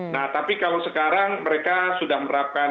nah tapi kalau sekarang mereka sudah menerapkan